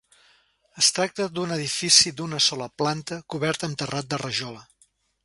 Es tracta d'un edifici d'una sola planta cobert amb terrat de rajola.